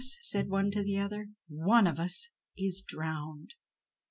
said one to another, "one of us is drowned."